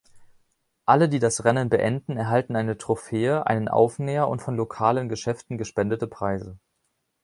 Alle, die das Rennen beenden, erhalten eine Trophäe, einen Aufnäher und von lokalen Geschäften gespendete Preise.